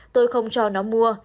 tôi không cho nó mua